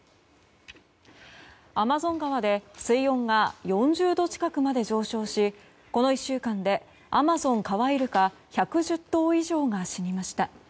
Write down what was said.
アマゾン川で水温が４０近くまで上昇しこの１週間でアマゾンカワイルカ１１０頭以上が死にました。